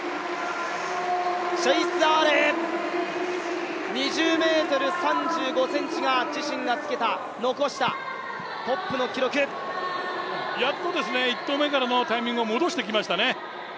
チェイス・アーレイ、２０ｍ３５ｃｍが自身が残したやっと１投目からのタイミングを戻してきましたね。